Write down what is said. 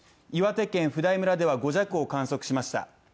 岩手県普代村では５弱を観測しました。